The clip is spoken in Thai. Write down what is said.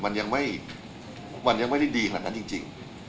มันยังไม่ได้ดีขนาดนั้นจริง